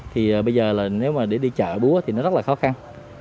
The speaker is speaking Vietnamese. thì bây giờ là nếu mà để đi chợ búa thì nó rất là khó khăn